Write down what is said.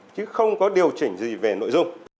chứ không có điều chỉnh gì về nội dung